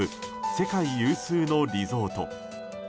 世界有数のリゾート。